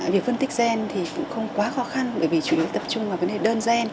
việc phân tích gen thì cũng không quá khó khăn bởi vì chủ yếu tập trung vào vấn đề đơn gen